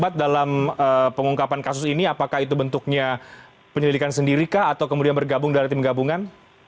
terlibat dalam pengungkapan kasus ini apakah itu bentuknya penyelidikan sendiri kah atau kemudian bergabung dari tim gabungan